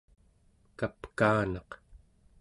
kapkaanaq